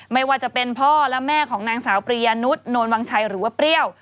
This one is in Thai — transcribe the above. ไม่ว่าจะเป็นพ่อและแม่ของนางสาวปริยนุษย์โนนวังชัยหรือว่าเปรี้ยว